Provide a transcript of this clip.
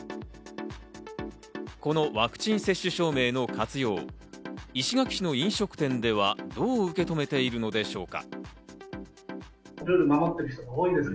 このワクチン接種証明の活用、石垣市の飲食店ではどう受け止めているのでしょうか。